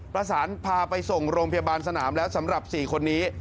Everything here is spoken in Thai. พาไปส่งโรงพยาบาลสนามแล้วสำหรับ๔คนนี้